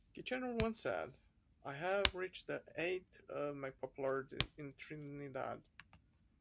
Kitchener once said: I have reached the height of my popularity in Trinidad.